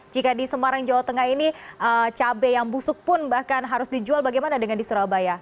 jika di semarang jawa tengah ini cabai yang busuk pun bahkan harus dijual bagaimana dengan di surabaya